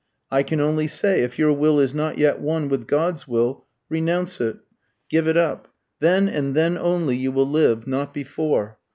I can only say: if your will is not yet one with God's will, renounce it give it up. Then and then only you will live not before.